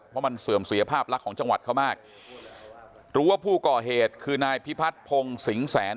เพราะมันเสื่อมเสียภาพลักษณ์ของจังหวัดเขามากรู้ว่าผู้ก่อเหตุคือนายพิพัฒน์พงศ์สิงแสน